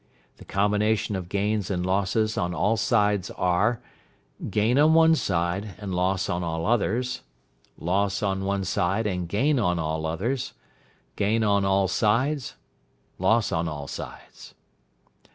The combination of gains and losses on all sides are: gain on one side, and loss on all others; loss on one side and gain on all others; gain on all sides, loss on all sides.